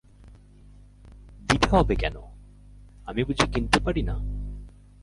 দিতে হবে কেন, আমি বুঝি কিনতে পারি না?